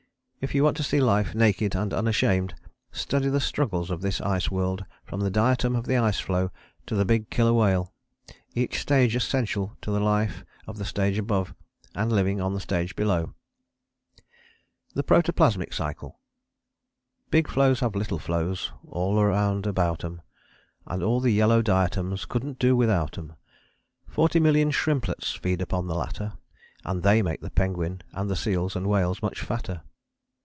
If you want to see life, naked and unashamed, study the struggles of this ice world, from the diatom in the ice floe to the big killer whale; each stage essential to the life of the stage above, and living on the stage below: THE PROTOPLASMIC CYCLE Big floes have little floes all around about 'em, And all the yellow diatoms couldn't do without 'em. Forty million shrimplets feed upon the latter, And they make the penguin and the seals and whales Much fatter.